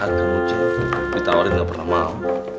aduh ngecek ditawarin gak pernah mau